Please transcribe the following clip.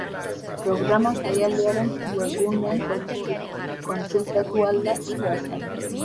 Programa jaialdiaren webgunean kontsultatu ahal da zehatzago.